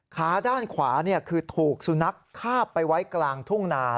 ขาด้านขวาคือถูกสุนัขคาบไปไว้กลางทุ่งนา